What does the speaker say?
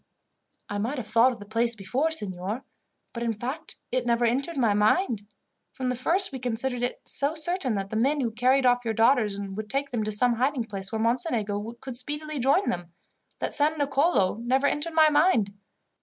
"I might have thought of the place before, signor; but, in fact, it never entered my mind. From the first, we considered it so certain that the men who carried off your daughters would take them to some hiding place where Mocenigo could speedily join them, that San Nicolo never entered my mind.